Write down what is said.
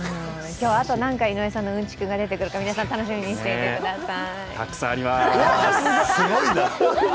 今日、あと何回井上さんのうんちくが出てくるか、楽しみにしてください。